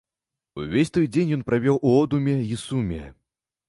Увесь той дзень ён правёў у одуме і суме.